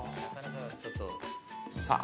さあ